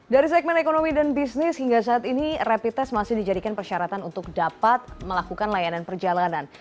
dari segmen ekonomi dan bisnis hingga saat ini rapid test masih dijadikan persyaratan untuk dapat melakukan layanan perjalanan